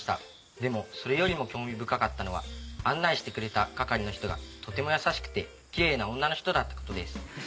「でもそれよりも興味深かったのは案内してくれた係の人がとても優しくてきれいな女の人だった事です」